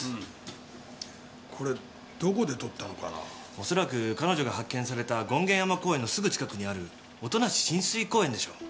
恐らく彼女が発見された権現山公園のすぐ近くにある音無親水公園でしょう。